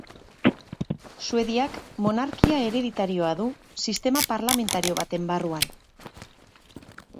Suediak monarkia hereditarioa du, sistema parlamentario baten barruan.